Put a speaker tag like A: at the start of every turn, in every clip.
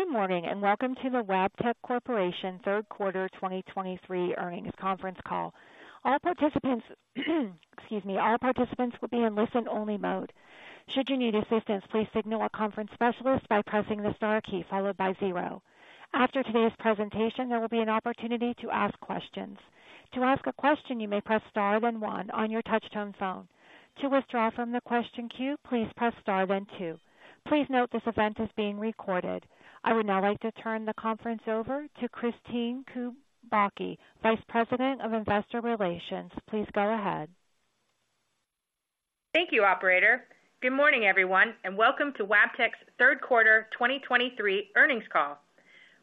A: Good morning, and welcome to the Wabtec Corporation third quarter 2023 earnings conference call. All participants, excuse me. All participants will be in listen-only mode. Should you need assistance, please signal a conference specialist by pressing the star key followed by zero. After today's presentation, there will be an opportunity to ask questions. To ask a question, you may press star, then one on your touch-tone phone. To withdraw from the question queue, please press star, then two. Please note, this event is being recorded. I would now like to turn the conference over to Kristine Kubacki, Vice President of Investor Relations. Please go ahead.
B: Thank you, operator. Good morning, everyone, and welcome to Wabtec's third quarter 2023 earnings call.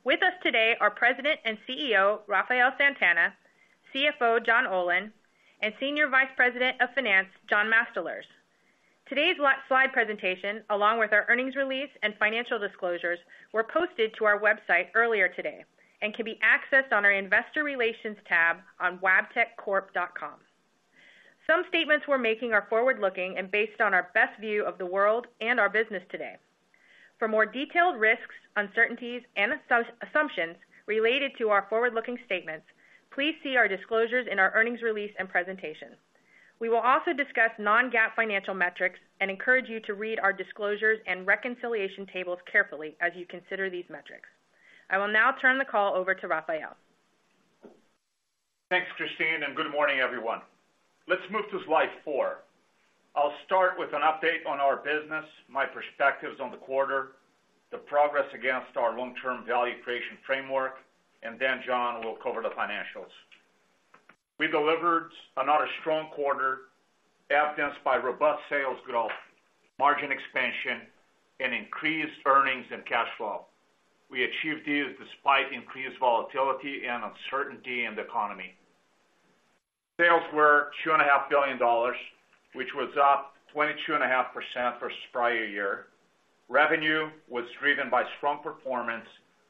B: With us today are President and CEO, Rafael Santana, CFO, John Olin, and Senior Vice President of Finance, John Mastalerz. Today's slide presentation, along with our earnings release and financial disclosures, were posted to our website earlier today and can be accessed on our Investor Relations tab on wabteccorp.com. Some statements we're making are forward-looking and based on our best view of the world and our business today. For more detailed risks, uncertainties, and assumptions related to our forward-looking statements, please see our disclosures in our earnings release and presentation. We will also discuss non-GAAP financial metrics and encourage you to read our disclosures and reconciliation tables carefully as you consider these metrics. I will now turn the call over to Rafael.
C: Thanks, Kristine, and good morning, everyone. Let's move to slide four. I'll start with an update on our business, my perspectives on the quarter, the progress against our long-term value creation framework, and then John will cover the financials. We delivered another strong quarter, evidenced by robust sales growth, margin expansion, and increased earnings and cash flow. We achieved these despite increased volatility and uncertainty in the economy. Sales were $2.5 billion, which was up 22.5% versus prior year. Revenue was driven by strong performance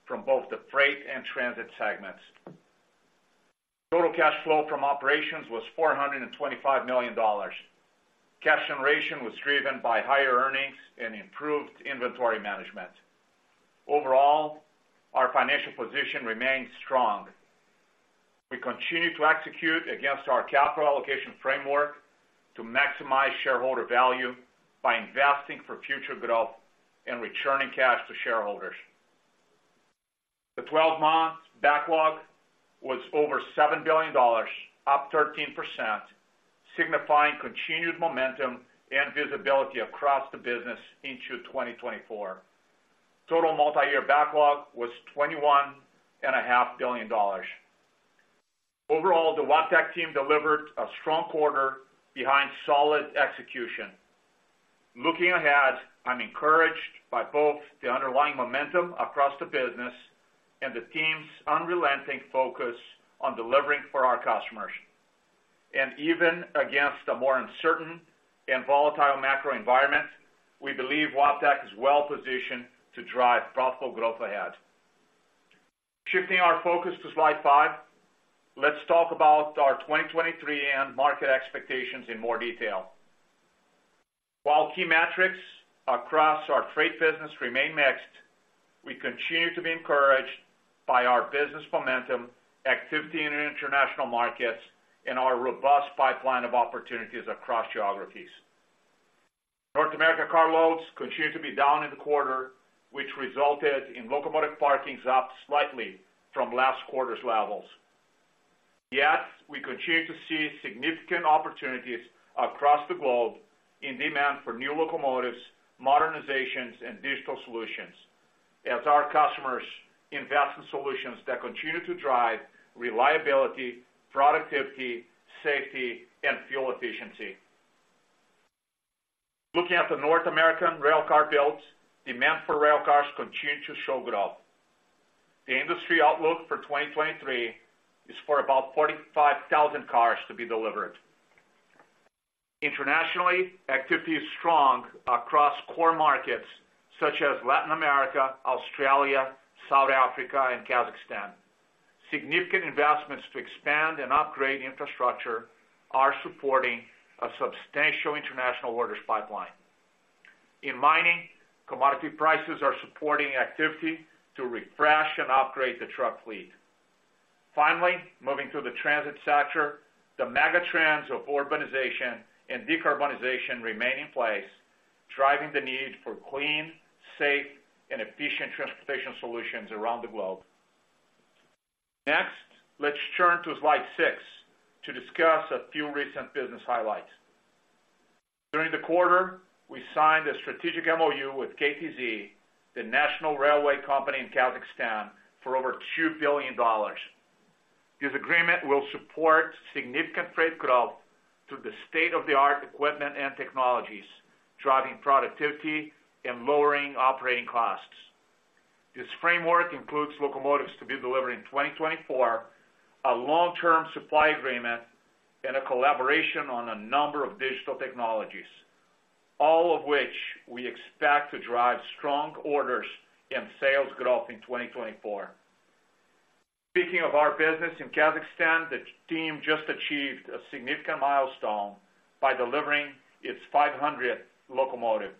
C: from both the Freight and Transit segments. Total cash flow from operations was $425 million. Cash generation was driven by higher earnings and improved inventory management. Overall, our financial position remains strong. We continue to execute against our capital allocation framework to maximize shareholder value by investing for future growth and returning cash to shareholders. The 12-month backlog was over $7 billion, up 13%, signifying continued momentum and visibility across the business into 2024. Total multi-year backlog was $21.5 billion. Overall, the Wabtec team delivered a strong quarter behind solid execution. Looking ahead, I'm encouraged by both the underlying momentum across the business and the team's unrelenting focus on delivering for our customers. Even against a more uncertain and volatile macro environment, we believe Wabtec is well positioned to drive profitable growth ahead. Shifting our focus to slide five, let's talk about our 2023 and market expectations in more detail. While key metrics across our freight business remain mixed, we continue to be encouraged by our business momentum, activity in international markets, and our robust pipeline of opportunities across geographies. North America carloads continue to be down in the quarter, which resulted in locomotive parkings up slightly from last quarter's levels. Yet, we continue to see significant opportunities across the globe in demand for new locomotives, modernizations, and digital solutions, as our customers invest in solutions that continue to drive reliability, productivity, safety, and fuel efficiency. Looking at the North American railcar builds, demand for railcars continue to show growth. The industry outlook for 2023 is for about 45,000 cars to be delivered. Internationally, activity is strong across core markets such as Latin America, Australia, South Africa, and Kazakhstan. Significant investments to expand and upgrade infrastructure are supporting a substantial international orders pipeline. In mining, commodity prices are supporting activity to refresh and upgrade the truck fleet. Finally, moving to the transit sector, the megatrends of urbanization and decarbonization remain in place, driving the need for clean, safe, and efficient transportation solutions around the globe. Next, let's turn to slide six to discuss a few recent business highlights. During the quarter, we signed a strategic MoU with KTZ, the National Railway Company in Kazakhstan, for over $2 billion. This agreement will support significant freight growth through the state-of-the-art equipment and technologies, driving productivity and lowering operating costs. This framework includes locomotives to be delivered in 2024, a long-term supply agreement, and a collaboration on a number of digital technologies, all of which we expect to drive strong orders and sales growth in 2024. Speaking of our business in Kazakhstan, the team just achieved a significant milestone by delivering its 500th locomotive.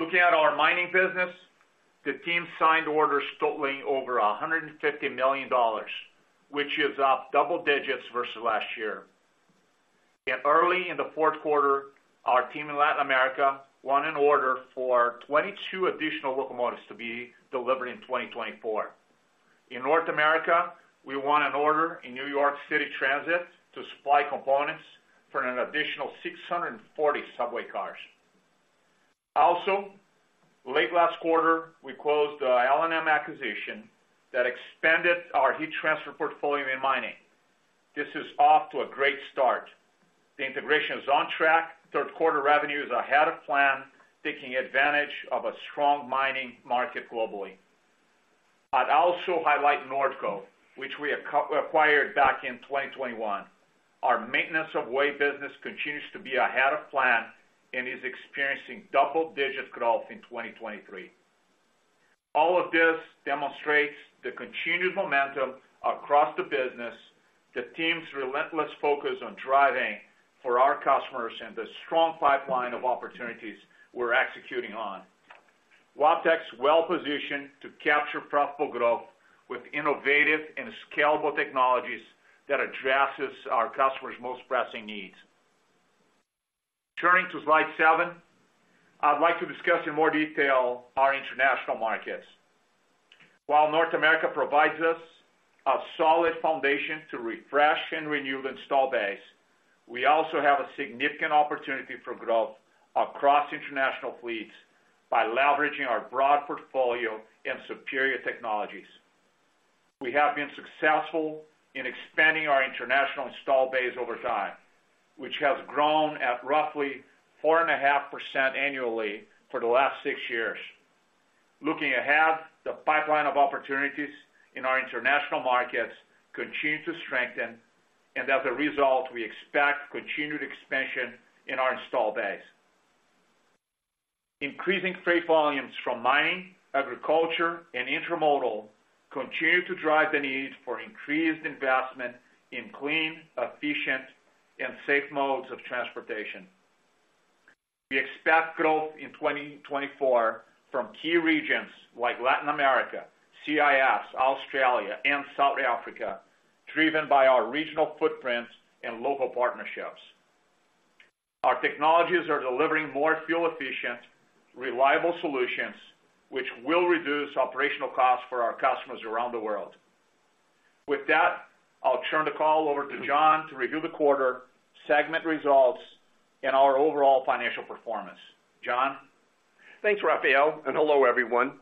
C: Looking at our mining business, the team signed orders totaling over $150 million, which is up double digits versus last year. Early in the fourth quarter, our team in Latin America won an order for 22 additional locomotives to be delivered in 2024. In North America, we won an order in New York City Transit to supply components for an additional 640 subway cars. Also, late last quarter, we closed the L&M acquisition that expanded our heat transfer portfolio in mining. This is off to a great start. The integration is on track. Third quarter revenue is ahead of plan, taking advantage of a strong mining market globally. I'd also highlight Nordco, which we acquired back in 2021. Our maintenance of way business continues to be ahead of plan and is experiencing double-digit growth in 2023. All of this demonstrates the continued momentum across the business, the team's relentless focus on driving for our customers, and the strong pipeline of opportunities we're executing on. Wabtec's well-positioned to capture profitable growth with innovative and scalable technologies that addresses our customers' most pressing needs. Turning to slide seven, I'd like to discuss in more detail our international markets. While North America provides us a solid foundation to refresh and renew the install base, we also have a significant opportunity for growth across international fleets by leveraging our broad portfolio and superior technologies. We have been successful in expanding our international install base over time, which has grown at roughly 4.5% annually for the last six years. Looking ahead, the pipeline of opportunities in our international markets continue to strengthen, and as a result, we expect continued expansion in our installed base. Increasing freight volumes from mining, agriculture, and intermodal continue to drive the need for increased investment in clean, efficient, and safe modes of transportation. We expect growth in 2024 from key regions like Latin America, CIS, Australia, and South Africa, driven by our regional footprints and local partnerships. Our technologies are delivering more fuel efficient, reliable solutions, which will reduce operational costs for our customers around the world. With that, I'll turn the call over to John to review the quarter, segment results, and our overall financial performance. John?
D: Thanks, Rafael, and hello, everyone.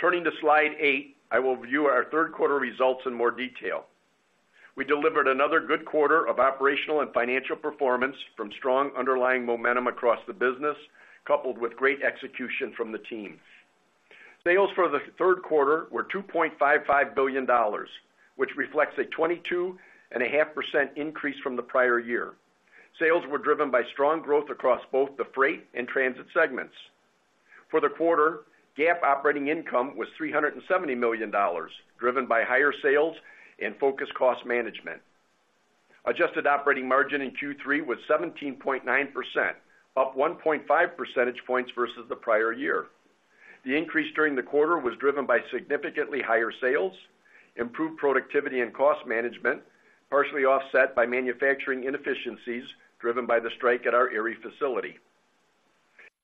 D: Turning to slide eight, I will review our third quarter results in more detail. We delivered another good quarter of operational and financial performance from strong underlying momentum across the business, coupled with great execution from the teams. Sales for the third quarter were $2.55 billion, which reflects a 22.5% increase from the prior year. Sales were driven by strong growth across both the freight and transit segments. For the quarter, GAAP operating income was $370 million, driven by higher sales and focused cost management. Adjusted operating margin in Q3 was 17.9%, up 1.5 percentage points versus the prior year. The increase during the quarter was driven by significantly higher sales, improved productivity and cost management, partially offset by manufacturing inefficiencies driven by the strike at our Erie facility.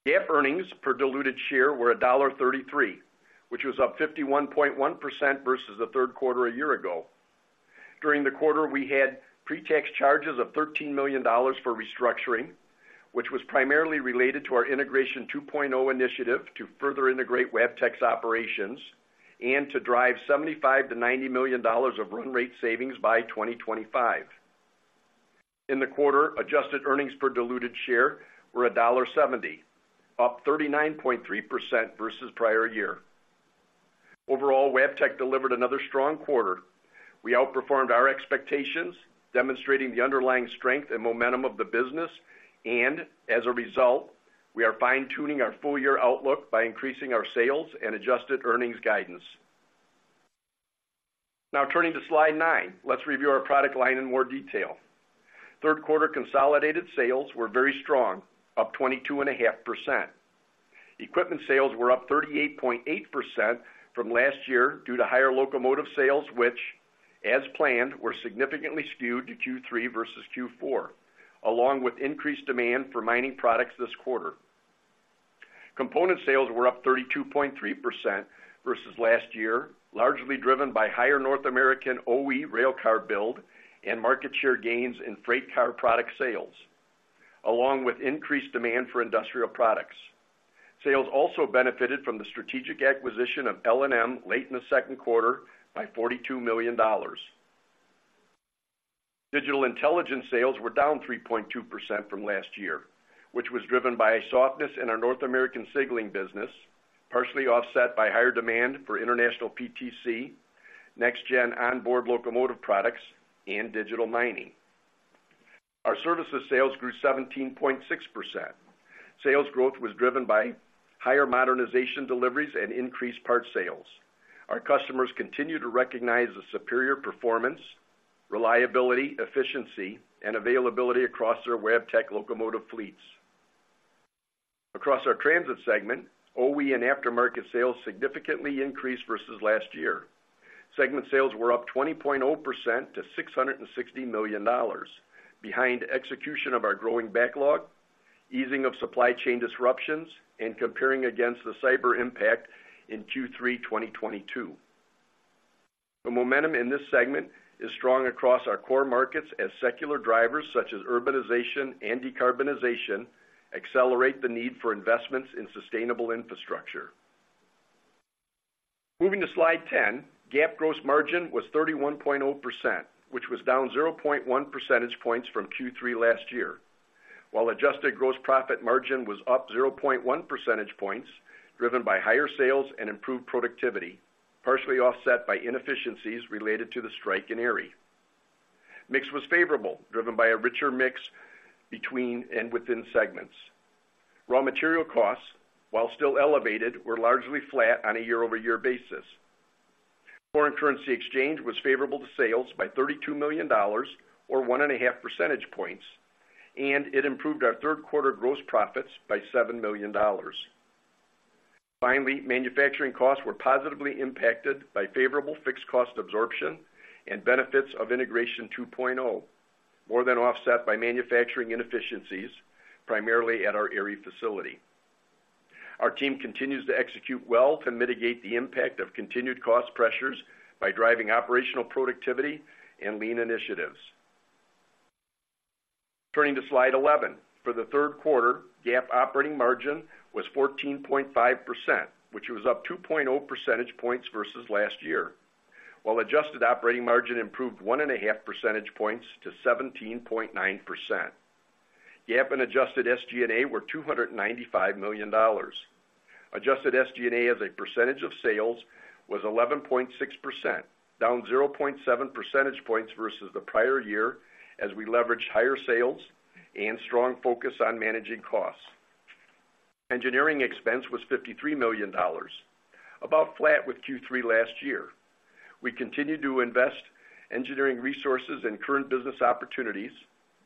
D: GAAP earnings per diluted share were $1.33, which was up 51.1% versus the third quarter a year ago. During the quarter, we had pre-tax charges of $13 million for restructuring, which was primarily related to our Integration 2.0 initiative to further integrate Wabtec's operations and to drive $75 million-$90 million of run rate savings by 2025. In the quarter, adjusted earnings per diluted share were $1.70, up 39.3% versus prior year. Overall, Wabtec delivered another strong quarter. We outperformed our expectations, demonstrating the underlying strength and momentum of the business, and as a result, we are fine-tuning our full year outlook by increasing our sales and adjusted earnings guidance. Now, turning to slide nine, let's review our product line in more detail. Third quarter consolidated sales were very strong, up 22.5%. Equipment sales were up 38.8% from last year due to higher locomotive sales, which, as planned, were significantly skewed to Q3 versus Q4, along with increased demand for mining products this quarter. Component sales were up 32.3% versus last year, largely driven by higher North American OE railcar build and market share gains in freight car product sales, along with increased demand for industrial products. Sales also benefited from the strategic acquisition of L&M late in the second quarter by $42 million. Digital Intelligence sales were down 3.2% from last year, which was driven by a softness in our North American signaling business, partially offset by higher demand for international PTC, next gen onboard locomotive products, and digital mining. Our services sales grew 17.6%. Sales growth was driven by higher modernization deliveries and increased part sales. Our customers continue to recognize the superior performance, reliability, efficiency, and availability across their Wabtec locomotive fleets. Across our transit segment, OE and aftermarket sales significantly increased versus last year. Segment sales were up 20.0% to $660 million, behind execution of our growing backlog, easing of supply chain disruptions, and comparing against the cyber impact in Q3 2022. The momentum in this segment is strong across our core markets, as secular drivers, such as urbanization and decarbonization, accelerate the need for investments in sustainable infrastructure. Moving to slide 10, GAAP gross margin was 31.0%, which was down 0.1 percentage points from Q3 last year. While adjusted gross profit margin was up 0.1 percentage points, driven by higher sales and improved productivity, partially offset by inefficiencies related to the strike in Erie. Mix was favorable, driven by a richer mix between and within segments. Raw material costs, while still elevated, were largely flat on a year-over-year basis. Foreign currency exchange was favorable to sales by $32 million or 1.5 percentage points, and it improved our third quarter gross profits by $7 million. Finally, manufacturing costs were positively impacted by favorable fixed cost absorption and benefits of Integration 2.0, more than offset by manufacturing inefficiencies, primarily at our Erie facility. Our team continues to execute well to mitigate the impact of continued cost pressures by driving operational productivity and lean initiatives. Turning to slide 11. For the third quarter, GAAP operating margin was 14.5%, which was up 2.0 percentage points versus last year, while adjusted operating margin improved 1.5 percentage points to 17.9%. GAAP and adjusted SG&A were $295 million. Adjusted SG&A as a percentage of sales was 11.6%, down 0.7 percentage points versus the prior year, as we leveraged higher sales and strong focus on managing costs. Engineering expense was $53 million, about flat with Q3 last year. We continued to invest engineering resources and current business opportunities,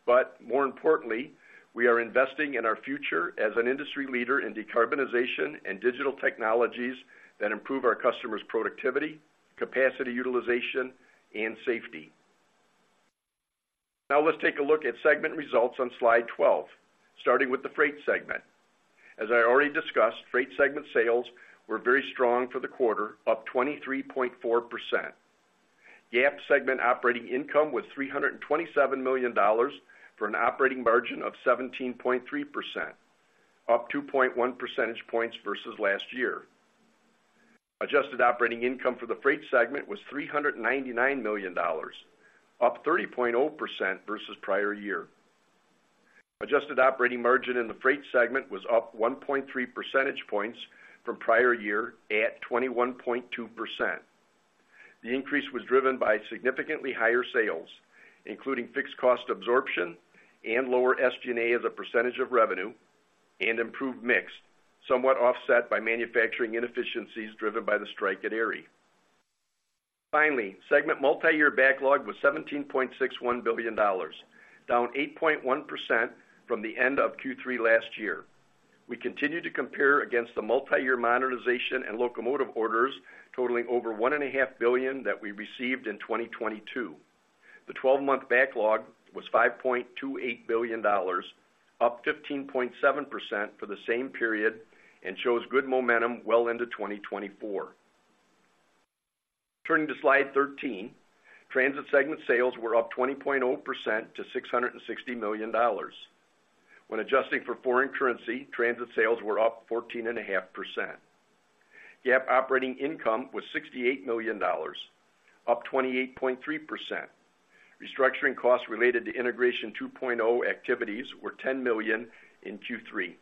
D: but more importantly, we are investing in our future as an industry leader in decarbonization and digital technologies that improve our customers' productivity, capacity, utilization, and safety. Now, let's take a look at segment results on slide 12, starting with the Freight segment. As I already discussed, Freight segment sales were very strong for the quarter, up 23.4%. GAAP segment operating income was $327 million, for an operating margin of 17.3%, up 2.1 percentage points versus last year. Adjusted operating income for the Freight segment was $399 million, up 30.0% versus prior year. Adjusted operating margin in the Freight segment was up 1.3 percentage points from prior year at 21.2%. The increase was driven by significantly higher sales, including fixed cost absorption and lower SG&A as a percentage of revenue and improved mix, somewhat offset by manufacturing inefficiencies driven by the strike at Erie. Finally, segment multi-year backlog was $17.61 billion, down 8.1% from the end of Q3 last year. We continued to compare against the multi-year monetization and locomotive orders totaling over $1.5 billion that we received in 2022. The twelve-month backlog was $5.28 billion, up 15.7% for the same period, and shows good momentum well into 2024. Turning to slide 13, Transit segment sales were up 20.0% to $660 million. When adjusting for foreign currency, transit sales were up 14.5%. GAAP operating income was $68 million, up 28.3%. Restructuring costs related to Integration 2.0 activities were $10 million in Q3.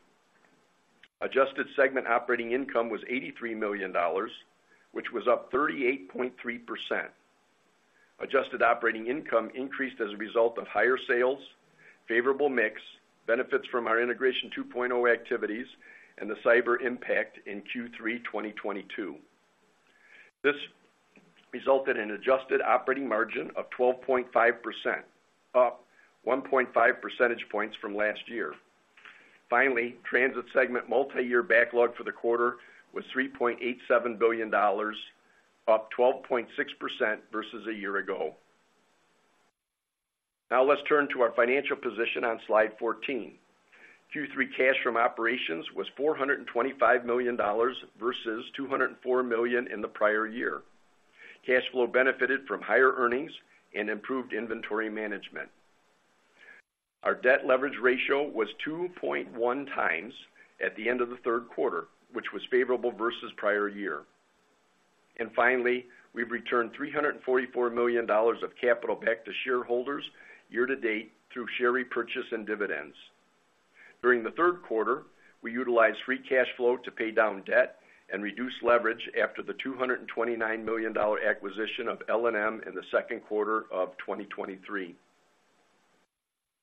D: Adjusted segment operating income was $83 million, which was up 38.3%. Adjusted operating income increased as a result of higher sales, favorable mix, benefits from our Integration 2.0 activities, and the cyber impact in Q3 2022. This resulted in adjusted operating margin of 12.5%, up 1.5 percentage points from last year. Finally, Transit segment multi-year backlog for the quarter was $3.87 billion, up 12.6% versus a year ago. Now, let's turn to our financial position on slide 14. Q3 cash from operations was $425 million versus $204 million in the prior year. Cash flow benefited from higher earnings and improved inventory management. Our debt leverage ratio was 2.1 times at the end of the third quarter, which was favorable versus prior year. And finally, we've returned $344 million of capital back to shareholders year to date through share repurchase and dividends. During the third quarter, we utilized free cash flow to pay down debt and reduce leverage after the $229 million acquisition of L&M in the second quarter of 2023.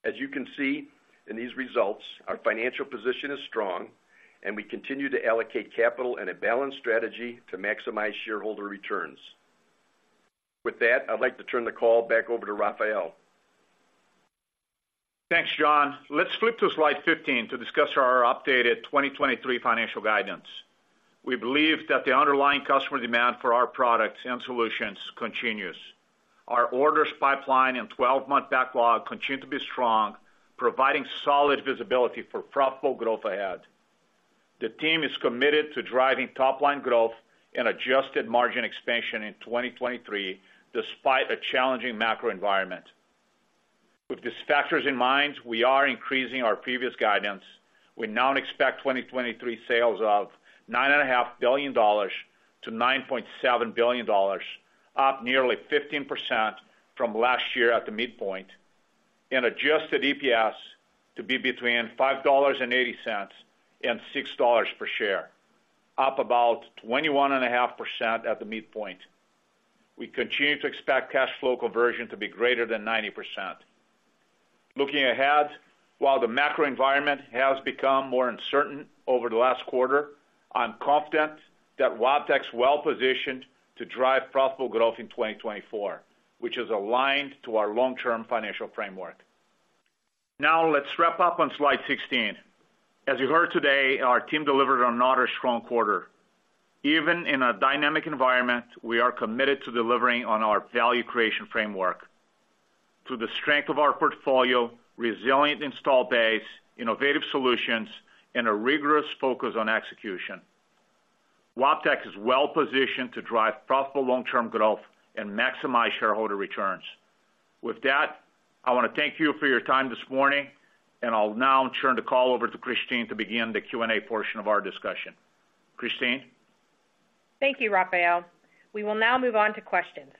D: As you can see in these results, our financial position is strong, and we continue to allocate capital in a balanced strategy to maximize shareholder returns. With that, I'd like to turn the call back over to Rafael.
C: Thanks, John. Let's flip to slide 15 to discuss our updated 2023 financial guidance. We believe that the underlying customer demand for our products and solutions continues. Our orders pipeline and 12-month backlog continue to be strong, providing solid visibility for profitable growth ahead. The team is committed to driving top line growth and adjusted margin expansion in 2023, despite a challenging macro environment. With these factors in mind, we are increasing our previous guidance. We now expect 2023 sales of $9.5 billion-$9.7 billion, up nearly 15% from last year at the midpoint, and adjusted EPS to be between $5.80 and $6 per share, up about 21.5% at the midpoint. We continue to expect cash flow conversion to be greater than 90%. Looking ahead, while the macro environment has become more uncertain over the last quarter, I'm confident that Wabtec is well positioned to drive profitable growth in 2024, which is aligned to our long-term financial framework. Now, let's wrap up on slide 16. As you heard today, our team delivered another strong quarter. Even in a dynamic environment, we are committed to delivering on our value creation framework. Through the strength of our portfolio, resilient installed base, innovative solutions, and a rigorous focus on execution, Wabtec is well positioned to drive profitable long-term growth and maximize shareholder returns. With that, I want to thank you for your time this morning, and I'll now turn the call over to Kristine to begin the Q&A portion of our discussion. Kristine?
B: Thank you, Rafael. We will now move on to questions.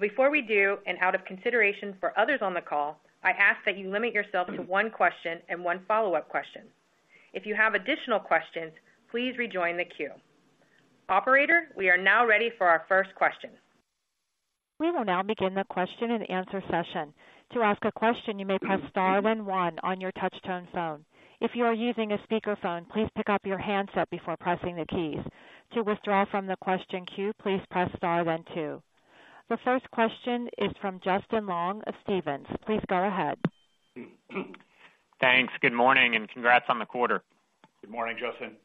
B: Before we do, and out of consideration for others on the call, I ask that you limit yourself to one question and one follow-up question. If you have additional questions, please rejoin the queue. Operator, we are now ready for our first question.
A: We will now begin the question and answer session. To ask a question, you may press star then one on your touchtone phone. If you are using a speakerphone, please pick up your handset before pressing the keys. To withdraw from the question queue, please press star then two. The first question is from Justin Long of Stephens. Please go ahead.
E: Thanks. Good morning, and congrats on the quarter.
D: Good morning, Justin.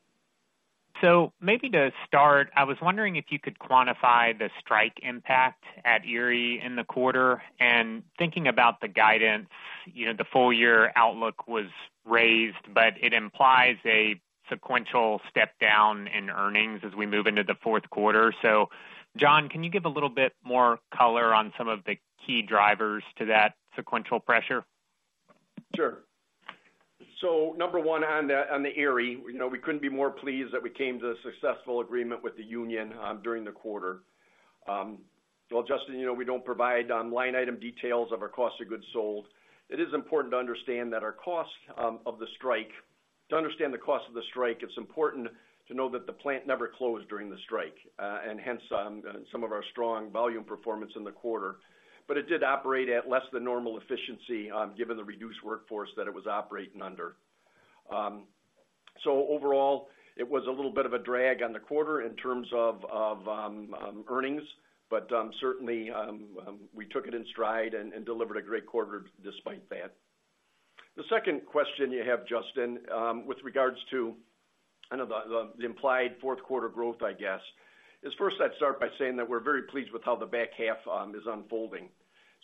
E: So maybe to start, I was wondering if you could quantify the strike impact at Erie in the quarter, and thinking about the guidance, you know, the full year outlook was raised, but it implies a sequential step down in earnings as we move into the fourth quarter. So John, can you give a little bit more color on some of the key drivers to that sequential pressure?
D: Sure. So number one, on the Erie, you know, we couldn't be more pleased that we came to a successful agreement with the union during the quarter. Well, Justin, you know, we don't provide line item details of our cost of goods sold. It is important to understand that our cost of the strike—to understand the cost of the strike, it's important to know that the plant never closed during the strike, and hence, some of our strong volume performance in the quarter. But it did operate at less than normal efficiency, given the reduced workforce that it was operating under. So overall, it was a little bit of a drag on the quarter in terms of earnings, but certainly we took it in stride and delivered a great quarter despite that. The second question you have, Justin, with regards to, I know, the implied fourth quarter growth, I guess, is first, I'd start by saying that we're very pleased with how the back half is unfolding.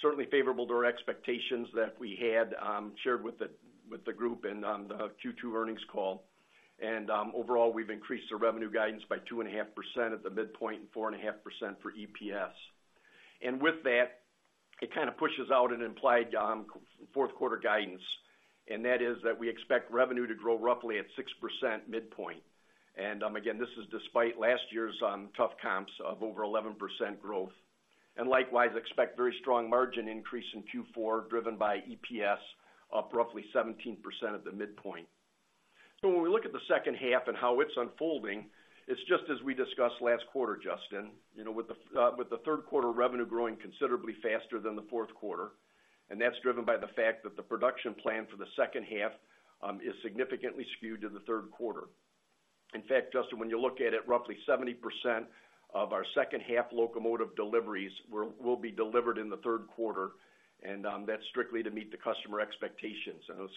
D: Certainly favorable to our expectations that we had shared with the group and on the Q2 earnings call. Overall, we've increased the revenue guidance by 2.5% at the midpoint, and 4.5% for EPS. With that, it kind of pushes out an implied fourth quarter guidance, and that is that we expect revenue to grow roughly at 6% midpoint. Again, this is despite last year's tough comps of over 11% growth. And likewise, expect very strong margin increase in Q4, driven by EPS, up roughly 17% at the midpoint. So when we look at the second half and how it's unfolding, it's just as we discussed last quarter, Justin. You know, with the third quarter revenue growing considerably faster than the fourth quarter, and that's driven by the fact that the production plan for the second half is significantly skewed to the third quarter. In fact, Justin, when you look at it, roughly 70% of our second half locomotive deliveries will be delivered in the third quarter, and that's strictly to meet the customer expectations, and those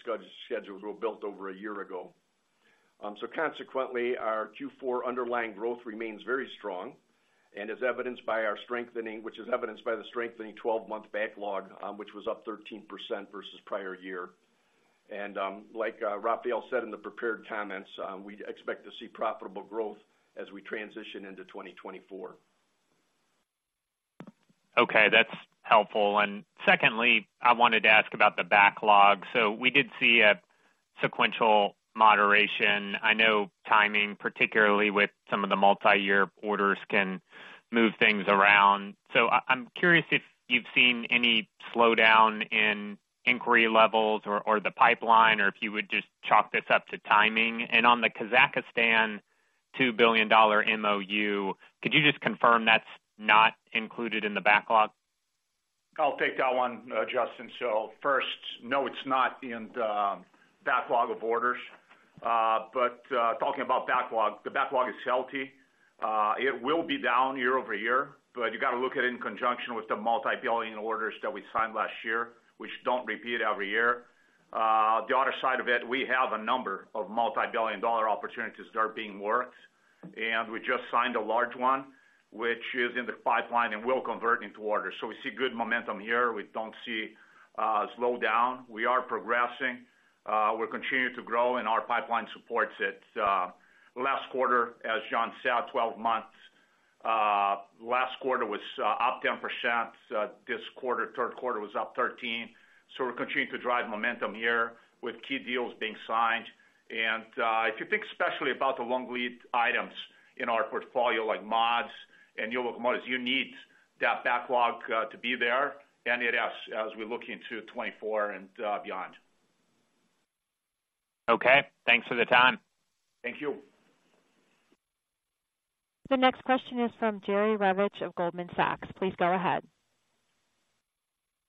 D: schedules were built over a year ago. So consequently, our Q4 underlying growth remains very strong, and as evidenced by our strengthening, which is evidenced by the strengthening 12-month backlog, which was up 13% versus prior year. And like Rafael said in the prepared comments, we expect to see profitable growth as we transition into 2024.
E: Okay, that's helpful. And secondly, I wanted to ask about the backlog. So we did see a sequential moderation. I know timing, particularly with some of the multi-year orders, can move things around. So I'm curious if you've seen any slowdown in inquiry levels or the pipeline, or if you would just chalk this up to timing. And on the Kazakhstan, $2 billion MOU. Could you just confirm that's not included in the backlog?
C: I'll take that one, Justin. So first, no, it's not in the backlog of orders. But talking about backlog, the backlog is healthy. It will be down year-over-year, but you got to look at it in conjunction with the multi-billion orders that we signed last year, which don't repeat every year. The other side of it, we have a number of multi-billion dollar opportunities that are being worked, and we just signed a large one, which is in the pipeline and will convert into orders. So we see good momentum here. We don't see a slowdown. We are progressing. We're continuing to grow, and our pipeline supports it. Last quarter, as John said, 12 months, last quarter was up 10%. This quarter, third quarter was up 13%. So we're continuing to drive momentum here with key deals being signed. If you think especially about the long lead items in our portfolio, like mods and new locomotives, you need that backlog to be there, and it is, as we look into 2024 and beyond.
E: Okay, thanks for the time.
C: Thank you.
A: The next question is from Jerry Revich of Goldman Sachs. Please go ahead.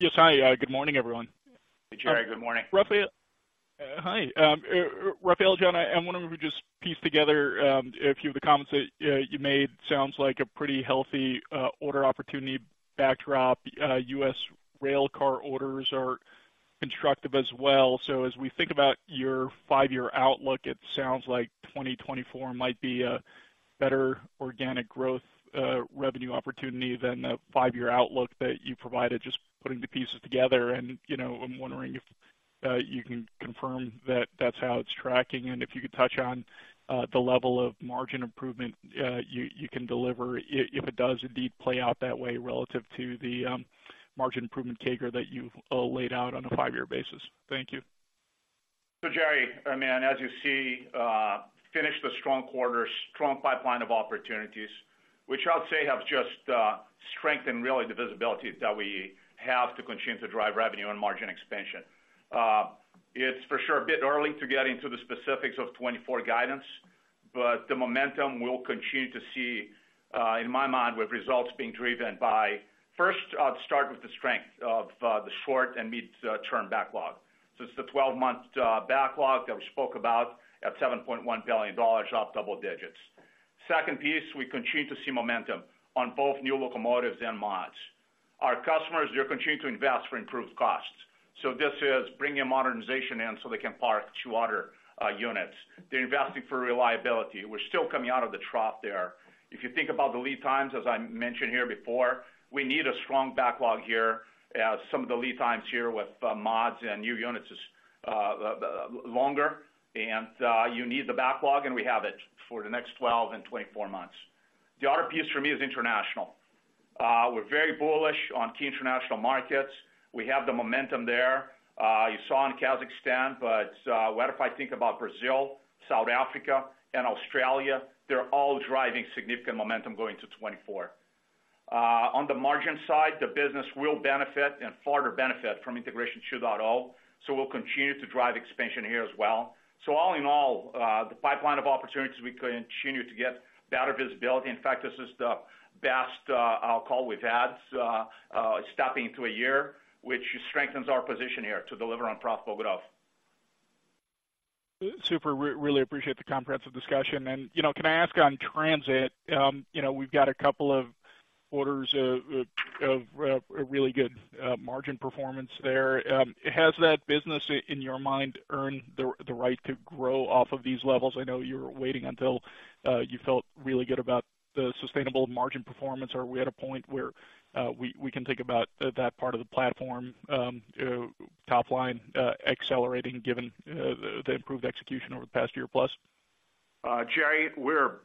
F: Yes. Hi. Good morning, everyone.
C: Hey, Jerry. Good morning.
F: Hi, Rafael, John, I'm wondering if we just piece together a few of the comments that you made. Sounds like a pretty healthy order opportunity backdrop. U.S. rail car orders are constructive as well. So as we think about your five-year outlook, it sounds like 2024 might be a better organic growth revenue opportunity than the five-year outlook that you provided. Just putting the pieces together, and, you know, I'm wondering if you can confirm that that's how it's tracking, and if you could touch on the level of margin improvement you can deliver if it does indeed play out that way relative to the margin improvement CAGR that you've laid out on a five-year basis. Thank you.
C: So, Jerry, I mean, as you see, finished a strong quarter, strong pipeline of opportunities, which I would say have just strengthened, really, the visibility that we have to continue to drive revenue and margin expansion. It's for sure a bit early to get into the specifics of 2024 guidance, but the momentum we'll continue to see, in my mind, with results being driven by, first, I'd start with the strength of the short and mid term backlog. So it's the 12-month backlog that we spoke about at $7.1 billion, up double digits. Second piece, we continue to see momentum on both new locomotives and mods. Our customers, they're continuing to invest for improved costs. So this is bringing modernization in so they can park two other units. They're investing for reliability. We're still coming out of the trough there. If you think about the lead times, as I mentioned here before, we need a strong backlog here. Some of the lead times here with mods and new units is longer, and you need the backlog, and we have it for the next 12 and 24 months. The other piece for me is international. We're very bullish on key international markets. We have the momentum there, you saw in Kazakhstan, but what if I think about Brazil, South Africa, and Australia, they're all driving significant momentum going to 2024. On the margin side, the business will benefit and further benefit from Integration 2.0, so we'll continue to drive expansion here as well. So all in all, the pipeline of opportunities, we continue to get better visibility. In fact, this is the best call we've had stepping into a year, which strengthens our position here to deliver on profitable growth.
F: Super. Really appreciate the comprehensive discussion. You know, can I ask on transit? You know, we've got a couple of orders of a really good margin performance there. Has that business, in your mind, earned the right to grow off of these levels? I know you were waiting until you felt really good about the sustainable margin performance. Are we at a point where we can think about that part of the platform, top line accelerating, given the improved execution over the past year plus?
C: Jerry, we're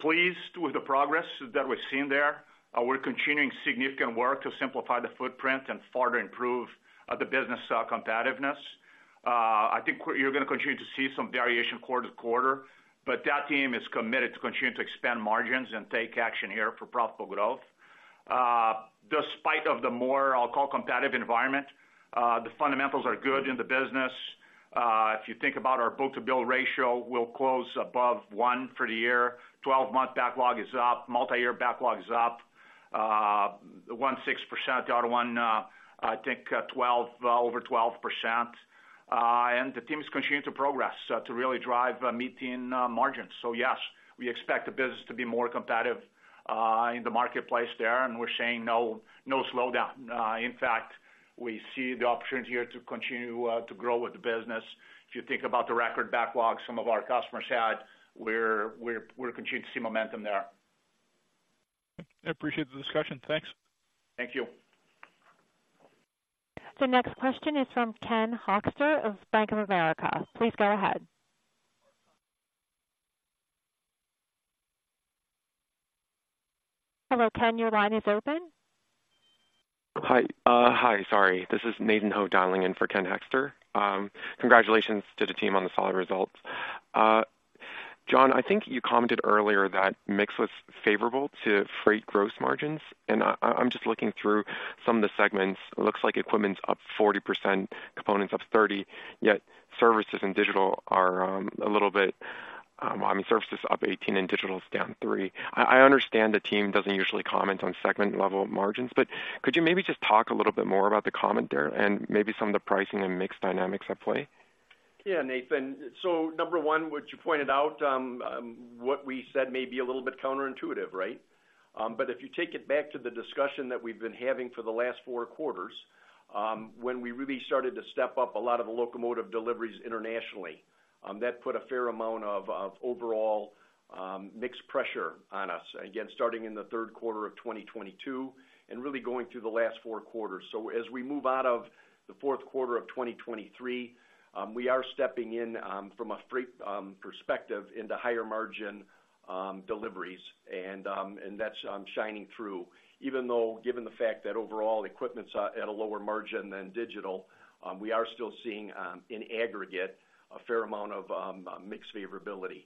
C: pleased with the progress that we're seeing there. We're continuing significant work to simplify the footprint and further improve the business competitiveness. I think we're—you're gonna continue to see some variation quarter to quarter, but that team is committed to continuing to expand margins and take action here for profitable growth. Despite of the more, I'll call competitive environment, the fundamentals are good in the business. If you think about our book-to-bill ratio, we'll close above one for the year. 12-month backlog is up, multiyear backlog is up 16%, the other one, I think, 12%, over 12%. The team is continuing to progress to really drive meeting margins. So yes, we expect the business to be more competitive in the marketplace there, and we're seeing no, no slowdown. In fact, we see the opportunity here to continue to grow with the business. If you think about the record backlog some of our customers had, we're continuing to see momentum there.
F: I appreciate the discussion. Thanks.
C: Thank you.
A: The next question is from Ken Hoexter of Bank of America. Please go ahead. Hello, Ken, your line is open.
G: Hi, hi. Sorry, this is Nathan Ho dialing in for Ken Hoexter. Congratulations to the team on the solid results. John, I think you commented earlier that mix was favorable to freight gross margins, and I'm just looking through some of the segments. It looks like equipment's up 40%, components up 30%, yet services and digital, I mean, services up 18% and digital is down 3%. I understand the team doesn't usually comment on segment-level margins, but could you maybe just talk a little bit more about the comment there and maybe some of the pricing and mix dynamics at play?
D: Yeah, Nathan. So number one, what you pointed out, what we said may be a little bit counterintuitive, right? But if you take it back to the discussion that we've been having for the last four quarters, when we really started to step up a lot of the locomotive deliveries internationally, that put a fair amount of, of overall, mix pressure on us. Again, starting in the third quarter of 2022 and really going through the last four quarters. So as we move out of the fourth quarter of 2023, we are stepping in, from a freight perspective into higher margin deliveries, and, and that's shining through. Even though, given the fact that overall equipment's at a lower margin than digital, we are still seeing, in aggregate, a fair amount of mix favorability.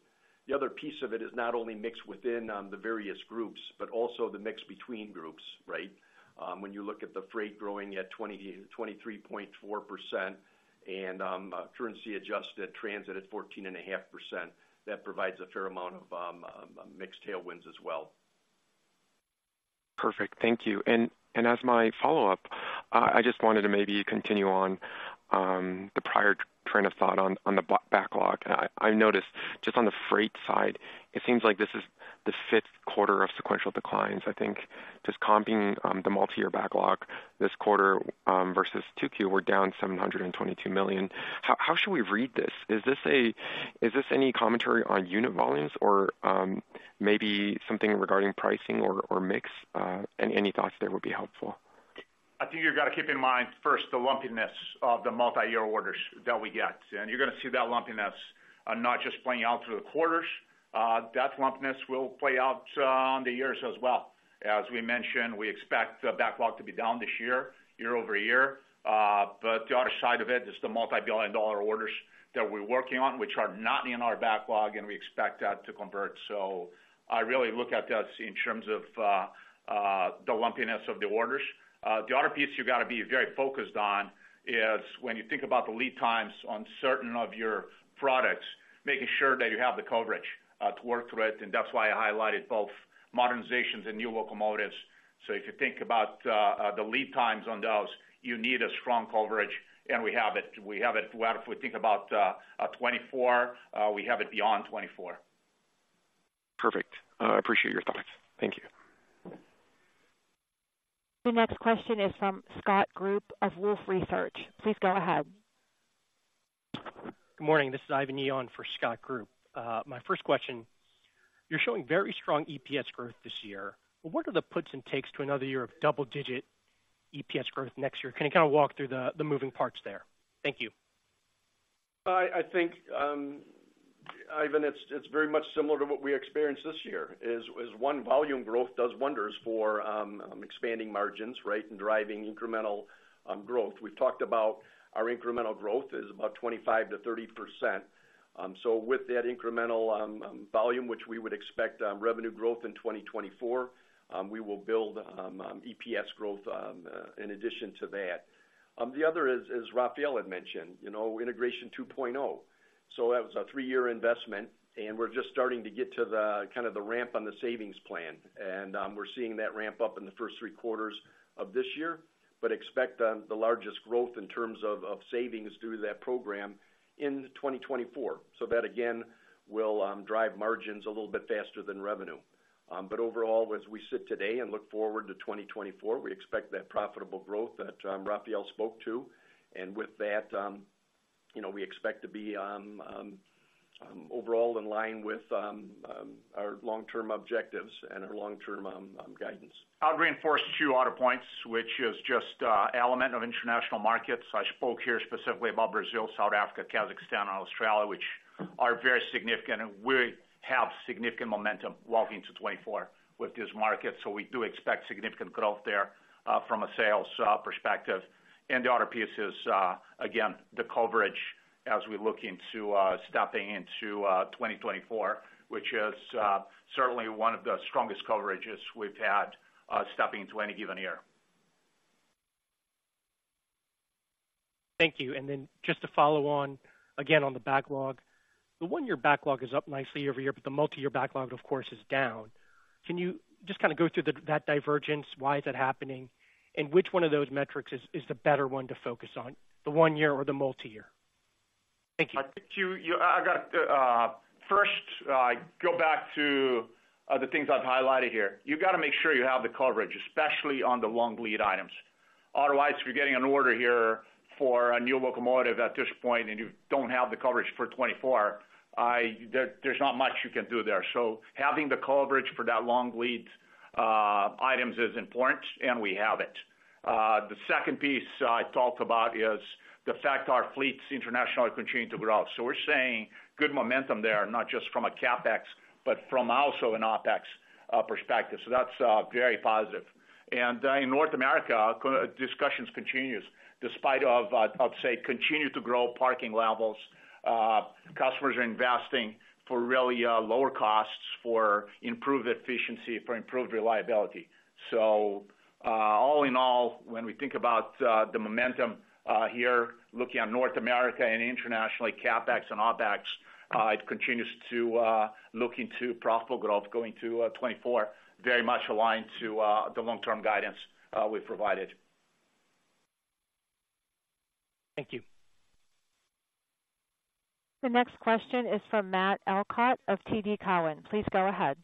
D: The other piece of it is not only mix within the various groups, but also the mix between groups, right? When you look at the freight growing at 23.4% and currency adjusted transit at 14.5%, that provides a fair amount of mix tailwinds as well.
G: Perfect. Thank you. And as my follow-up, I just wanted to maybe continue on the prior train of thought on the backlog. I noticed just on the freight side, it seems like this is the fifth quarter of sequential declines. I think just comping the multi-year backlog this quarter versus 2Q, we're down $722 million. How should we read this? Is this any commentary on unit volumes or maybe something regarding pricing or mix, and any thoughts there would be helpful.
D: I think you've got to keep in mind, first, the lumpiness of the multi-year orders that we get, and you're going to see that lumpiness, not just playing out through the quarters. That lumpiness will play out on the years as well. As we mentioned, we expect the backlog to be down this year year-over-year. But the other side of it is the multi-billion dollar orders that we're working on, which are not in our backlog, and we expect that to convert. So I really look at that in terms of the lumpiness of the orders. The other piece you got to be very focused on is when you think about the lead times on certain of your products, making sure that you have the coverage to work through it, and that's why I highlighted both modernizations and new locomotives. So if you think about the lead times on those, you need a strong coverage, and we have it. We have it. Well, if we think about 2024, we have it beyond 2024.
G: Perfect. Appreciate your thoughts. Thank you.
A: The next question is from Scott Group of Wolfe Research. Please go ahead.
H: Good morning. This is Ivan Yi on for Scott Group. My first question, you're showing very strong EPS growth this year. What are the puts and takes to another year of double-digit EPS growth next year? Can you kind of walk through the, the moving parts there? Thank you.
D: I think, Ivan, it's very much similar to what we experienced this year. One, volume growth does wonders for expanding margins, right? And driving incremental growth. We've talked about our incremental growth is about 25%-30%. So with that incremental volume, which we would expect, revenue growth in 2024, we will build EPS growth in addition to that. The other is, as Rafael had mentioned, you know, Integration 2.0. So that was a three-year investment, and we're just starting to get to the kind of the ramp on the savings plan, and we're seeing that ramp up in the first three quarters of this year, but expect the largest growth in terms of savings due to that program in 2024. So that, again, will drive margins a little bit faster than revenue. But overall, as we sit today and look forward to 2024, we expect that profitable growth that Rafael spoke to. And with that, you know, we expect to be overall in line with our long-term objectives and our long-term guidance. I'll reinforce two other points, which is just element of international markets. I spoke here specifically about Brazil, South Africa, Kazakhstan, and Australia, which are very significant, and we have significant momentum walking into 2024 with these markets. So we do expect significant growth there, from a sales perspective. The other piece is, again, the coverage as we look into stepping into 2024, which is certainly one of the strongest coverages we've had stepping into any given year.
H: Thank you. And then just to follow on again on the backlog. The one-year backlog is up nicely over year, but the multi-year backlog, of course, is down. Can you just kind of go through that divergence? Why is that happening, and which one of those metrics is the better one to focus on, the one year or the multi-year? Thank you.
D: I think first, go back to the things I've highlighted here. You've got to make sure you have the coverage, especially on the long lead items. Otherwise, if you're getting an order here for a new locomotive at this point and you don't have the coverage for 2024, there's not much you can do there. So having the coverage for that long lead items is important, and we have it. The second piece I talked about is the fact our fleets internationally continue to grow. So we're seeing good momentum there, not just from a CapEx, but from also an OpEx perspective. So that's very positive. And, in North America, discussions continues despite of, I'd say, continue to grow parking levels. Customers are investing for really, lower costs, for improved efficiency, for improved reliability. So, all in all, when we think about, the momentum, here, looking at North America and internationally, CapEx and OpEx, it continues to, look into profitable growth, going to, 2024, very much aligned to, the long-term guidance, we've provided.
H: Thank you.
A: The next question is from Matt Elkott of TD Cowen. Please go ahead.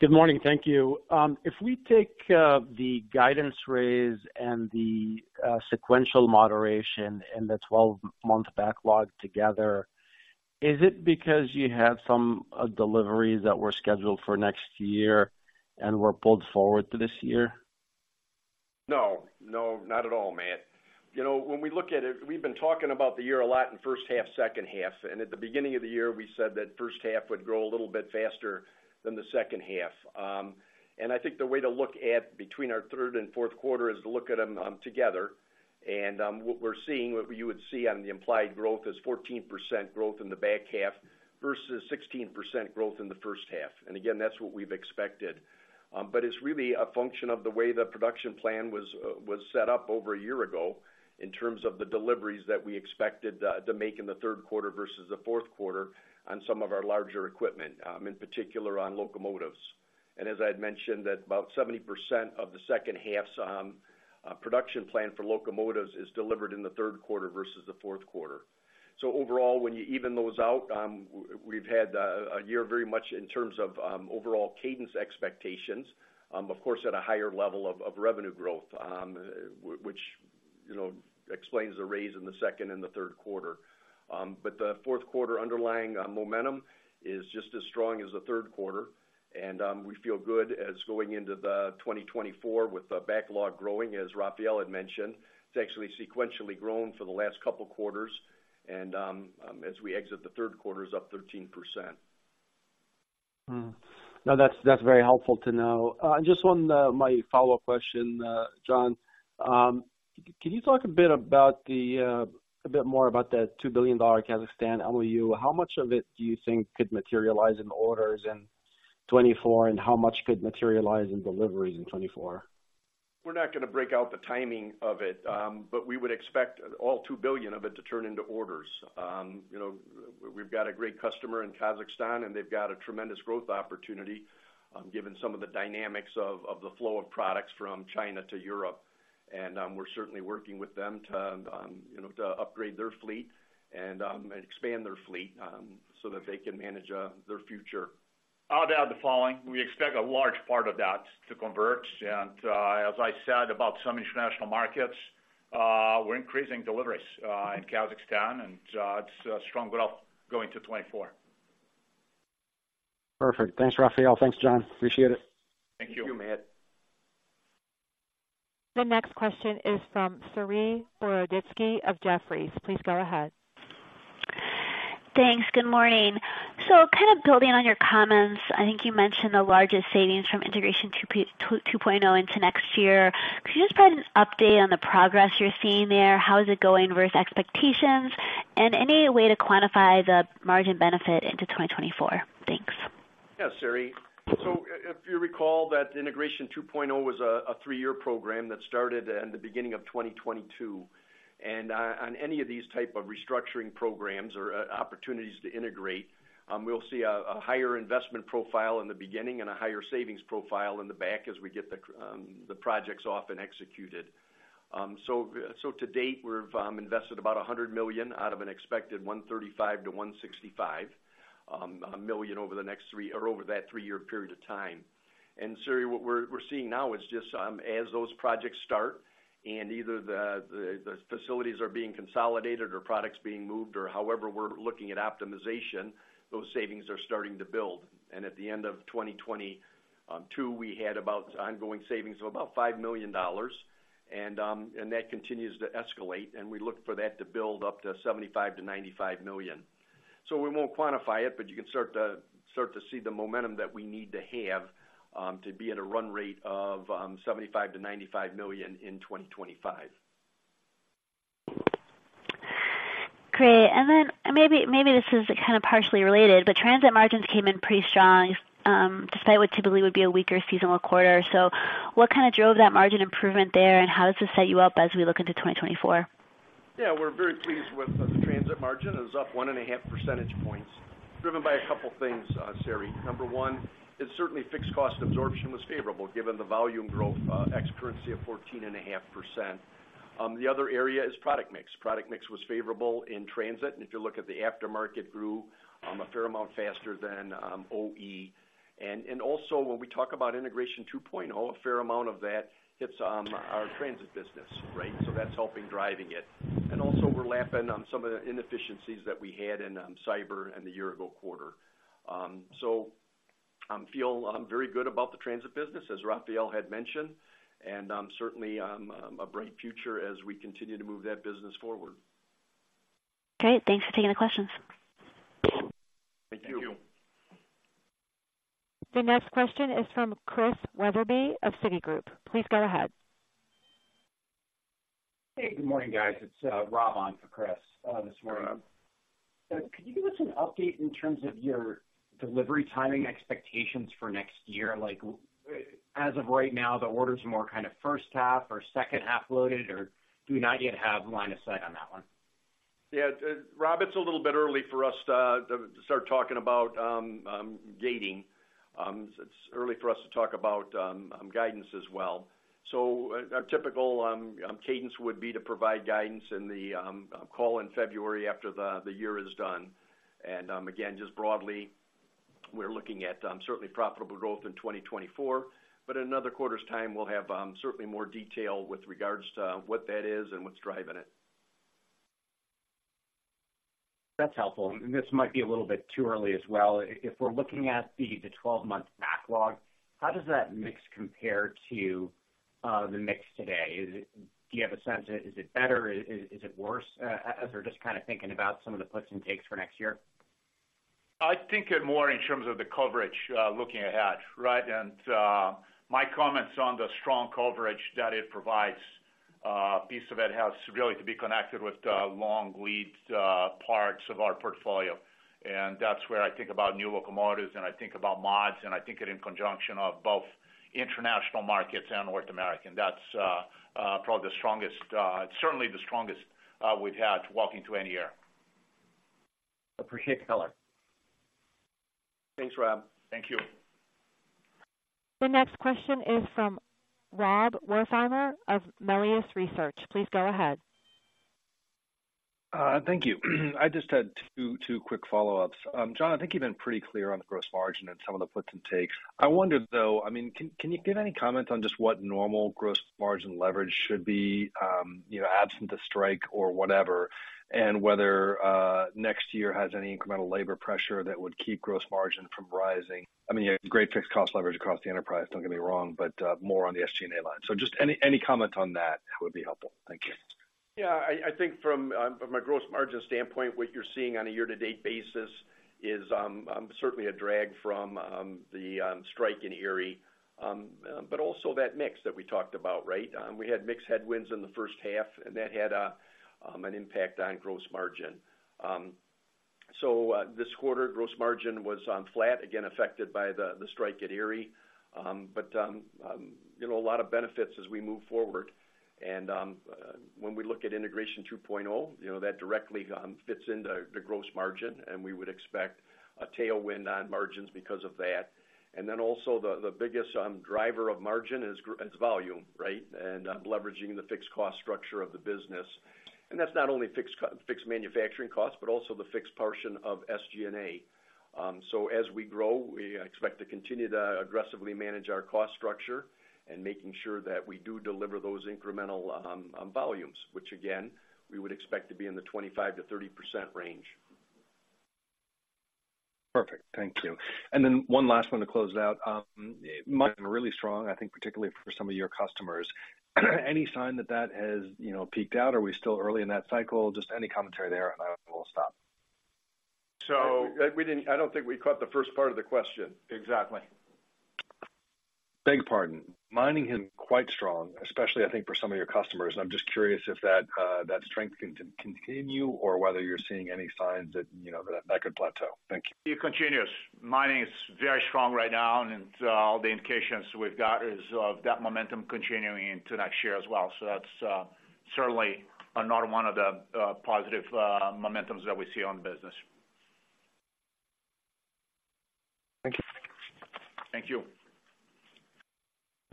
I: Good morning. Thank you. If we take the guidance raise and the sequential moderation and the 12-month backlog together, is it because you had some deliveries that were scheduled for next year and were pulled forward to this year?
D: No, no, not at all, Matt. You know, when we look at it, we've been talking about the year a lot in first half, second half, and at the beginning of the year, we said that first half would grow a little bit faster than the second half. And I think the way to look at between our third and fourth quarter is to look at them together. And what we're seeing, what you would see on the implied growth is 14% growth in the back half versus 16% growth in the first half. And again, that's what we've expected. But it's really a function of the way the production plan was set up over a year ago in terms of the deliveries that we expected to make in the third quarter versus the fourth quarter on some of our larger equipment, in particular, on locomotives. And as I had mentioned, that about 70% of the second half's production plan for locomotives is delivered in the third quarter versus the fourth quarter. So overall, when you even those out, we've had a year very much in terms of overall cadence expectations, of course, at a higher level of revenue growth, which, you know, explains the raise in the second and the third quarter. But the fourth quarter underlying momentum is just as strong as the third quarter, and we feel good as going into the 2024 with the backlog growing, as Rafael had mentioned. It's actually sequentially grown for the last couple of quarters, and as we exit the third quarter, it's up 13%.
I: Mm-hmm. No, that's, that's very helpful to know. Just one, my follow-up question, John. Can you talk a bit about a bit more about the $2 billion Kazakhstan MOU? How much of it do you think could materialize in orders in 2024, and how much could materialize in deliveries in 2024?
D: We're not going to break out the timing of it, but we would expect all $2 billion of it to turn into orders. You know, we've got a great customer in Kazakhstan, and they've got a tremendous growth opportunity, given some of the dynamics of the flow of products from China to Europe. We're certainly working with them to you know to upgrade their fleet and expand their fleet, so that they can manage their future.
C: I'll add the following: We expect a large part of that to convert, and, as I said about some international markets, we're increasing deliveries in Kazakhstan, and, it's a strong growth going to 2024.
I: Perfect. Thanks, Rafael. Thanks, John. Appreciate it.
D: Thank you.
C: Thank you, Matt.
A: The next question is from Saree Boroditsky of Jefferies. Please go ahead.
J: Thanks. Good morning. So kind of building on your comments, I think you mentioned the largest savings from Integration 2.0 into next year. Could you just provide an update on the progress you're seeing there? How is it going versus expectations? And any way to quantify the margin benefit into 2024? Thanks.
D: Yeah, Saree. So if you recall that Integration 2.0 was a 3-year program that started in the beginning of 2022. And on any of these type of restructuring programs or opportunities to integrate, we'll see a higher investment profile in the beginning and a higher savings profile in the back as we get the projects off and executed. So to date, we've invested about $100 million out of an expected $135 million-$165 million over that 3-year period of time. And Saree, what we're seeing now is just as those projects start and either the facilities are being consolidated or products being moved or however we're looking at optimization, those savings are starting to build. And at the end of 2022, we had about ongoing savings of about $5 million, and that continues to escalate, and we look for that to build up to $75 million-$95 million. So we won't quantify it, but you can start to, start to see the momentum that we need to have, to be at a run rate of $75 million-$95 million in 2025.
J: Great. And then maybe, maybe this is kind of partially related, but transit margins came in pretty strong, despite what typically would be a weaker seasonal quarter. So what kind of drove that margin improvement there, and how does this set you up as we look into 2024?
D: Yeah, we're very pleased with the transit margin. It was up 1.5 percentage points, driven by a couple things, Saree. Number one, is certainly fixed cost absorption was favorable, given the volume growth ex currency of 14.5%. The other area is product mix. Product mix was favorable in transit, and if you look at the aftermarket grew a fair amount faster than OE. And, and also, when we talk about Integration 2.0, a fair amount of that hits on our transit business, right? So that's helping driving it. And also, we're lapping on some of the inefficiencies that we had in cyber in the year ago quarter. So, feel very good about the transit business, as Rafael had mentioned, and certainly a bright future as we continue to move that business forward.
J: Great. Thanks for taking the questions.
D: Thank you.
C: Thank you.
A: The next question is from Chris Wetherbee of Citigroup. Please go ahead.
K: Hey, good morning, guys. It's Rob on for Chris this morning. Could you give us an update in terms of your delivery timing expectations for next year? Like, as of right now, the orders are more kind of first half or second half loaded, or do you not yet have line of sight on that one?
D: Yeah, Rob, it's a little bit early for us to start talking about dating. It's early for us to talk about guidance as well. So our typical cadence would be to provide guidance in the call in February after the year is done. Again, just broadly, we're looking at certainly profitable growth in 2024, but in another quarter's time, we'll have certainly more detail with regards to what that is and what's driving it.
K: That's helpful. And this might be a little bit too early as well. If we're looking at the 12-month backlog, how does that mix compare to the mix today? Do you have a sense of, is it better, is it worse, as we're just kind of thinking about some of the puts and takes for next year?
C: I think it more in terms of the coverage, looking ahead, right? And my comments on the strong coverage that it provides. Piece of it has really to be connected with the long lead parts of our portfolio. And that's where I think about new locomotives, and I think about mods, and I think it in conjunction of both international markets and North America. That's probably the strongest, certainly the strongest, we've had walking to any year.
K: Appreciate the color.
D: Thanks, Rob.
C: Thank you.
A: The next question is from Rob Wertheimer of Melius Research. Please go ahead.
L: Thank you. I just had two quick follow-ups. John, I think you've been pretty clear on the gross margin and some of the puts and takes. I wondered, though, I mean, can you give any comment on just what normal gross margin leverage should be, you know, absent the strike or whatever, and whether next year has any incremental labor pressure that would keep gross margin from rising? I mean, great fixed cost leverage across the enterprise, don't get me wrong, but more on the SG&A line. So just any comment on that would be helpful. Thank you.
D: Yeah, I think from a gross margin standpoint, what you're seeing on a year-to-date basis is certainly a drag from the strike in Erie, but also that mix that we talked about, right? We had mixed headwinds in the first half, and that had an impact on gross margin. So, this quarter, gross margin was on flat, again, affected by the strike at Erie. But, you know, a lot of benefits as we move forward. And, when we look at Integration 2.0, you know, that directly fits into the gross margin, and we would expect a tailwind on margins because of that. And then also the biggest driver of margin is volume, right? And, leveraging the fixed cost structure of the business. And that's not only fixed manufacturing costs, but also the fixed portion of SG&A. So as we grow, we expect to continue to aggressively manage our cost structure and making sure that we do deliver those incremental volumes, which again, we would expect to be in the 25%-30% range.
L: Perfect. Thank you. And then one last one to close it out. Mining is really strong, I think, particularly for some of your customers. Any sign that that has, you know, peaked out? Are we still early in that cycle? Just any commentary there, and I will stop.
D: So, we didn't. I don't think we caught the first part of the question.
C: Exactly.
L: Beg pardon. Mining is quite strong, especially, I think, for some of your customers. I'm just curious if that strength can continue, or whether you're seeing any signs that, you know, that could plateau. Thank you.
C: It continues. Mining is very strong right now, and all the indications we've got is of that momentum continuing into next year as well. So that's certainly another one of the positive momentums that we see on business.
L: Thank you.
C: Thank you.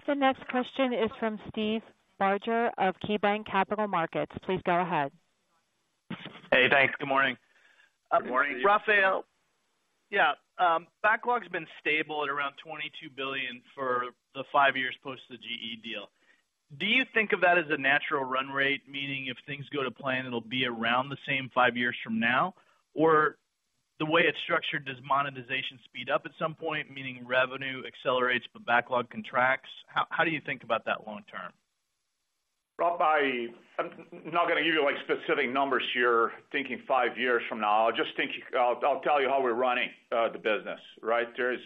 A: The next question is from Steve Barger of KeyBanc Capital Markets. Please go ahead.
M: Hey, thanks. Good morning.
C: Good morning.
M: Rafael, yeah, backlog's been stable at around $22 billion for the five years post the GE deal. Do you think of that as a natural run rate, meaning if things go to plan, it'll be around the same five years from now? Or the way it's structured, does monetization speed up at some point, meaning revenue accelerates, but backlog contracts? How do you think about that long term?
C: Rob, I'm not going to give you, like, specific numbers here, thinking five years from now. I'll just tell you how we're running the business, right? There is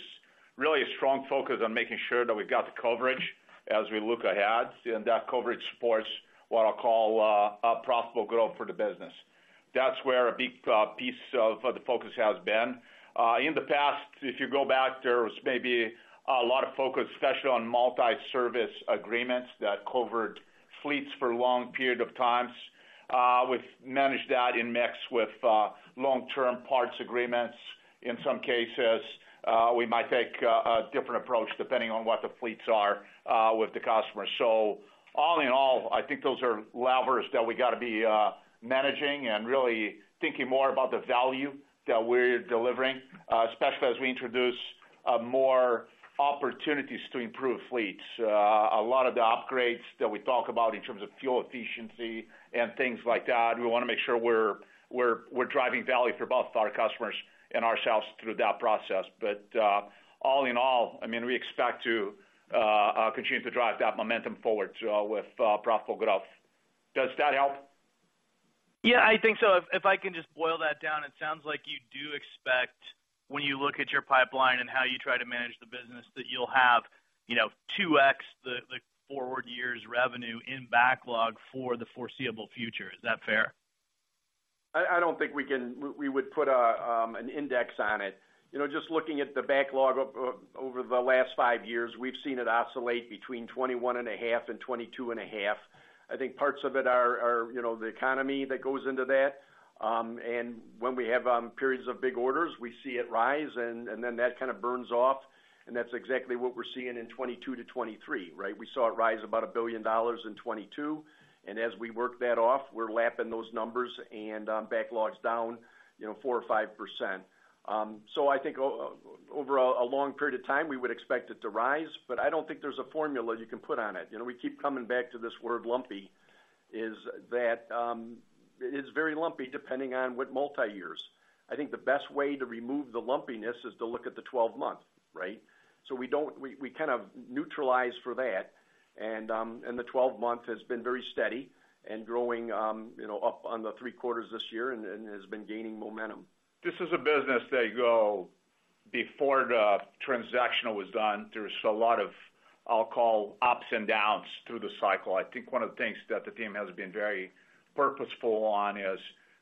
C: really a strong focus on making sure that we've got the coverage as we look ahead, and that coverage supports what I'll call a profitable growth for the business. That's where a big piece of the focus has been. In the past, if you go back, there was maybe a lot of focus, especially on multi-service agreements that covered fleets for long period of times. We've managed that in mix with long-term parts agreements. In some cases, we might take a different approach depending on what the fleets are with the customers. So all in all, I think those are levers that we got to be managing and really thinking more about the value that we're delivering, especially as we introduce more opportunities to improve fleets. A lot of the upgrades that we talk about in terms of fuel efficiency and things like that, we want to make sure we're driving value for both our customers and ourselves through that process. But all in all, I mean, we expect to continue to drive that momentum forward with profitable growth. Does that help?
M: Yeah, I think so. If I can just boil that down, it sounds like you do expect, when you look at your pipeline and how you try to manage the business, that you'll have, you know, 2x the forward year's revenue in backlog for the foreseeable future. Is that fair?
D: I don't think we can—we would put an index on it. You know, just looking at the backlog over the last 5 years, we've seen it oscillate between $21.5 billion and $22.5 billion. I think parts of it are, you know, the economy that goes into that. And when we have periods of big orders, we see it rise, and then that kind of burns off, and that's exactly what we're seeing in 2022-2023, right? We saw it rise about $1 billion in 2022, and as we work that off, we're lapping those numbers and backlog's down, you know, 4% or 5%. So I think over a long period of time, we would expect it to rise, but I don't think there's a formula you can put on it. You know, we keep coming back to this word, lumpy. It's very lumpy, depending on what multi-years. I think the best way to remove the lumpiness is to look at the 12-month, right? So we don't -- we kind of neutralize for that. And the 12-month has been very steady and growing, you know, up on the 3 quarters this year and has been gaining momentum.
C: This is a business that grew before the transaction was done. There was a lot of, I'll call, ups and downs through the cycle. I think one of the things that the team has been very purposeful on is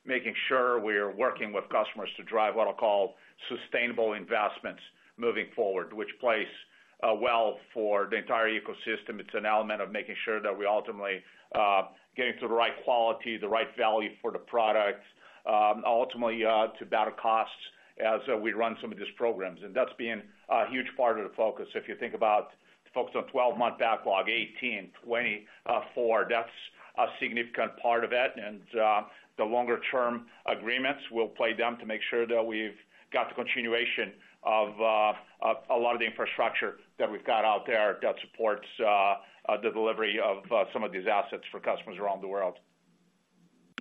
C: making sure we are working with customers to drive what I'll call sustainable investments moving forward, which plays well for the entire ecosystem. It's an element of making sure that we ultimately getting to the right quality, the right value for the product, ultimately to better costs as we run some of these programs. And that's been a huge part of the focus. If you think about the focus on 12-month backlog, 18-24, that's a significant part of it, and the longer term agreements, we'll play them to make sure that we've got the continuation of a lot of the infrastructure that we've got out there that supports the delivery of some of these assets for customers around the world.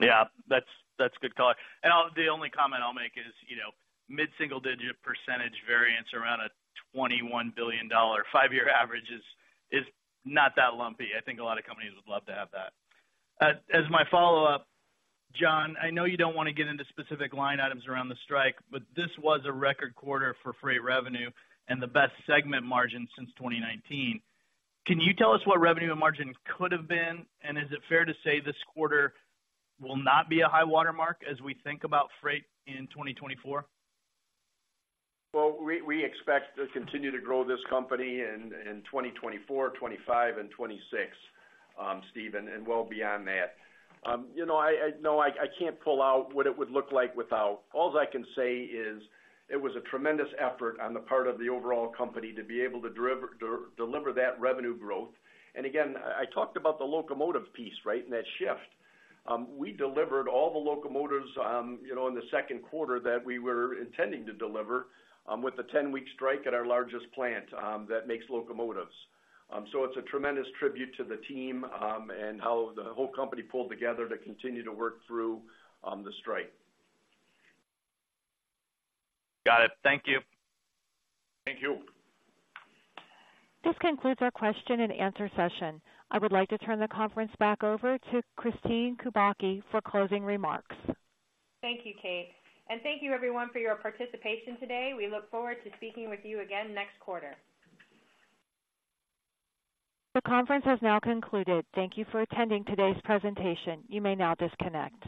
M: Yeah, that's, that's good color. And I'll, the only comment I'll make is, you know, mid-single-digit percentage variance around a $21 billion five-year average is, is not that lumpy. I think a lot of companies would love to have that. As my follow-up, John, I know you don't want to get into specific line items around the strike, but this was a record quarter for freight revenue and the best segment margin since 2019. Can you tell us what revenue and margin could have been? And is it fair to say this quarter will not be a high-water mark as we think about freight in 2024?
D: Well, we expect to continue to grow this company in 2024, 2025 and 2026, Steve, and well beyond that. You know, I... No, I can't pull out what it would look like without. All I can say is it was a tremendous effort on the part of the overall company to be able to deliver that revenue growth. And again, I talked about the locomotive piece, right? And that shift. We delivered all the locomotives, you know, in the second quarter that we were intending to deliver, with a 10-week strike at our largest plant, that makes locomotives. So it's a tremendous tribute to the team, and how the whole company pulled together to continue to work through the strike.
M: Got it. Thank you.
C: Thank you.
A: This concludes our question-and-answer session. I would like to turn the conference back over to Kristine Kubacki for closing remarks.
B: Thank you, Kate, and thank you everyone for your participation today. We look forward to speaking with you again next quarter.
A: The conference has now concluded. Thank you for attending today's presentation. You may now disconnect.